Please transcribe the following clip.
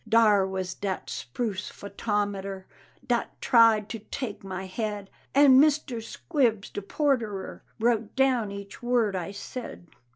Dar was dat spruce photometer Dat tried to take my head, And Mr. Squibbs, de porterer, Wrote down each word I said.